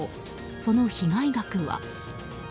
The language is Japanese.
その被害額は。